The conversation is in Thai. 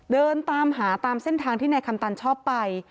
เดินตามหาตามเส้นทางที่นายคำตันชอบไป